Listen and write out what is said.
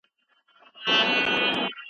خپلواکه قضائيه قوه ولي د عدالت لپاره اړينه ده؟